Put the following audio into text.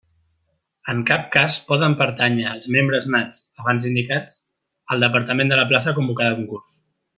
En cap cas poden pertànyer els membres nats abans indicats al departament de la plaça convocada a concurs.